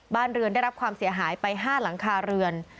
บ้านเรือนได้รับความเสียหายไป๕หลังคาเรือน